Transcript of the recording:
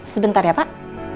sebentar ya pak